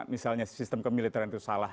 misalnya sistem kemiliteran itu salah